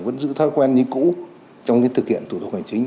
vẫn giữ thói quen như cũ trong cái thực hiện thủ thuật hoàn chính